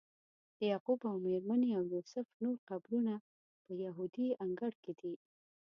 د یعقوب او میرمنې او یوسف نور قبرونه په یهودي انګړ کې دي.